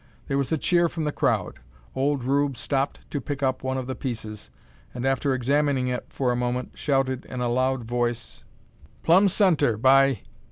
There was a cheer from the crowd. Old Rube stopped to pick up one of the pieces, and after examining it for a moment, shouted in a loud voice; "Plumb centre, by